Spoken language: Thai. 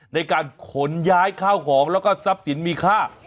ในการขนย้ายข้าวของแล้วก็ทรัพย์สินมีค่า